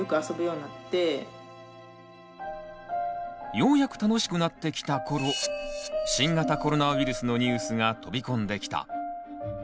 ようやく楽しくなってきた頃新型コロナウイルスのニュースが飛び込んできた。